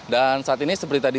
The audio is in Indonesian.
dan saat ini seperti tadi